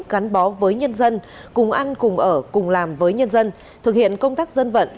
gắn bó với nhân dân cùng ăn cùng ở cùng làm với nhân dân thực hiện công tác dân vận